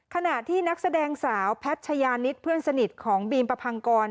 ขณะที่นักแสดงสาวแพทยานิดเพื่อนสนิทของบีมประพังกร